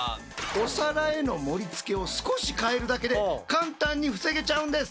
お皿への盛りつけを少し変えるだけで簡単に防げちゃうんです。